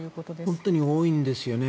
本当に多いんですよね。